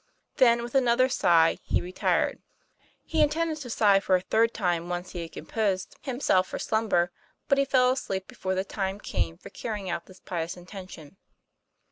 Then with another sigh he retired. He intended to sigh for a third time once he had composed him 1 66 TOM PLAYFAIR. self for slumber, but he fell asleep before the time came for carrying out this pious intention.